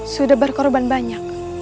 sudah berkorban banyak